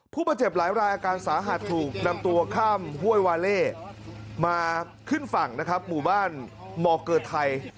ผู้บาดเจ็บหลายรายอาการสาหัสถูกนำตัวข้ามห้วยวาเล่มาขึ้นฝั่งนะครับหมู่บ้านมเกอร์ไทย